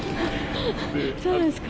そうですか。